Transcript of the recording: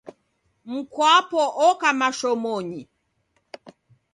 Mkwapo oka mashomonyi.